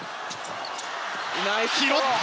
拾った！